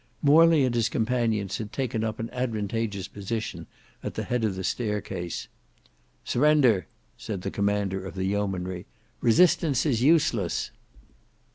Morley and his companions had taken up an advantageous position at the head of the staircase. "Surrender," said the commander of the yeomanry. "Resistance is useless."